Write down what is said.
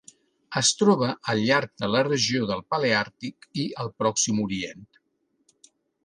Es troba al llarg de la regió del Paleàrtic i el Pròxim Orient.